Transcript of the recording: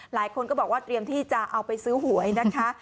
หลายคนก็บอกว่าเตรียมที่จะเอาไปซื้อหวยนะคะ